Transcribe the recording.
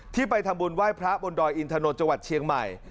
ไปทำบุญไหว้พระบนดอยอินทนนท์จังหวัดเชียงใหม่